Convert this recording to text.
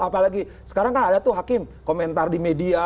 apalagi sekarang kan ada tuh hakim komentar di media